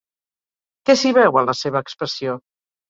Què s'hi veu en la seva expressió?